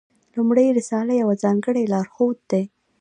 لومړۍ رساله یو ځانګړی لارښود دی.